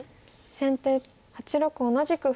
先手８六同じく歩。